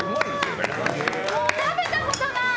食べたことない！